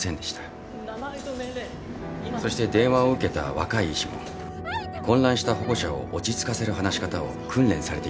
そして電話を受けた若い医師も混乱した保護者を落ち着かせる話し方を訓練されていなかったのです。